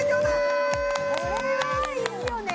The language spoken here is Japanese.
おこれはいいよね